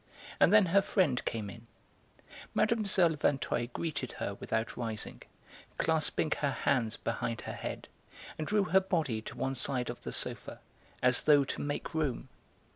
And then her friend came in. Mlle. Vinteuil greeted her without rising, clasping her hands behind her head, and drew her body to one side of the sofa, as though to 'make room.'